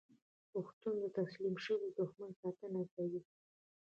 پښتون د تسلیم شوي دښمن ساتنه کوي.